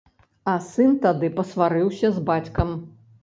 А сын тады пасварыўся з бацькам.